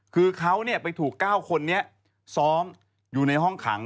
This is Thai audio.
คือเขาไปถูก๙คนนี้ซ้อมอยู่ในห้องขัง